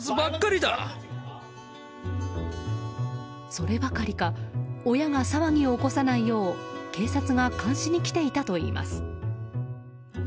そればかりか親が騒ぎを起こさないよう警察が監視に来ていたといいます。